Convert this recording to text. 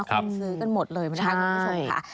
คนซื้อกันหมดเลยนะคะคุณผู้ชมค่ะ